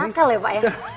nakal ya pak ya